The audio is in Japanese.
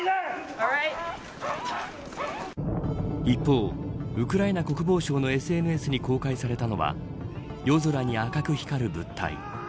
一方、ウクライナ国防省のＳＮＳに公開されたのは夜空に赤く光る物体。